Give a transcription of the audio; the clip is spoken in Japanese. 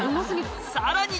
さらに！